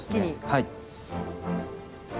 はい。